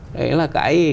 đấy là cái